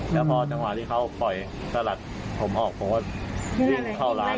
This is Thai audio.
แล้วพอจังหวะที่เขาปล่อยสลัดผมออกผมก็วิ่งเข้าร้าน